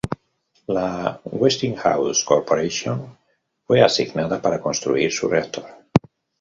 La Westinghouse Corporation fue asignada para construir su reactor.